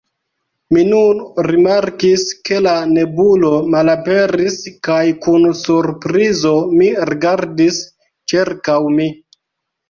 Mi nun rimarkis, ke la nebulo malaperis, kaj kun surprizo mi rigardis ĉirkaŭ mi.